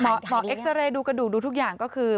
หมอเอ็กซาเรย์ดูกระดูกดูทุกอย่างก็คือ